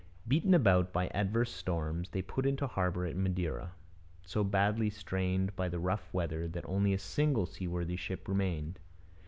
Beaten about by adverse storms, they put into harbour at Madeira, so badly strained by the rough weather that only a single seaworthy ship remained.